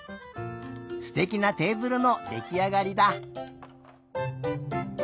すてきなテーブルのできあがりだ。